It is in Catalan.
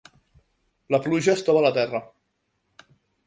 La pluja estova la terra.